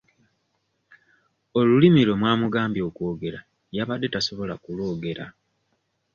Olulimi lwe mwamugambye okwogera yabadde tasobola kulwogera.